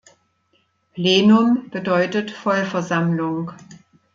Plenum bedeutet Vollversammlung.